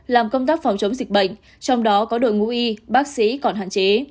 làm công tác phòng chống dịch bệnh trong đó có đội ngũ y bác sĩ còn hạn chế